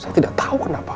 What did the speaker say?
saya tidak tahu kenapa